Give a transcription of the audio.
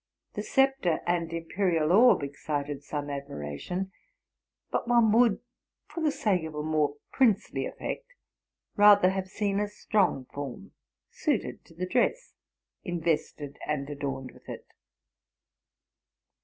The sceptre and impe rial orb excited some admiration; but one would, for the sake of a more princely effect, rather have seen a strong form, suited to the dress, invested and adorned with it.